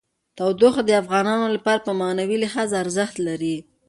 تودوخه د افغانانو لپاره په معنوي لحاظ ارزښت لري.